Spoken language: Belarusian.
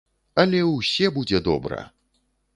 Але ўсе будзе добра!